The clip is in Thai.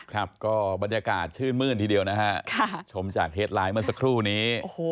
ครับก็บรรยากาศชื่นมื้นทีเดียวนะฮะชมจากเฮดไลน์เมื่อสักครู่นี้